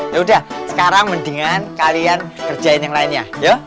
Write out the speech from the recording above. ya udah sekarang mendingan kalian kerjain yang lainnya